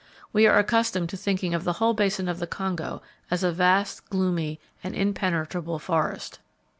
We are accustomed to thinking of the whole basin of the Congo as a vast, gloomy and impenetrable forest.